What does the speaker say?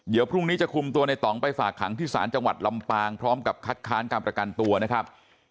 เดี๋ยวพรุ่งนี้จะคุมตัวในต่องไปฝากขังที่ศาลจังหวัดลำปางพร้อมกับคัดค้านการประกันตัวนะครับ